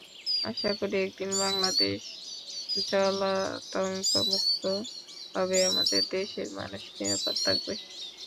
আশা করি, একদিন বাংলাদেশ জলাতঙ্কমুক্ত হবে, আমাদের দেশের মানুষ নিরাপদ থাকবে।